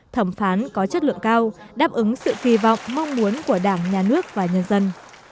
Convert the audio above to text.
thẩm phán có chất lượng cao đáp ứng sự kỳ vọng mong muốn của đảng nhà nước và nhân dân